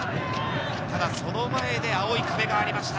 その前で青い壁がありました。